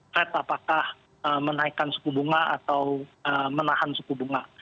fed apakah menaikkan suku bunga atau menahan suku bunga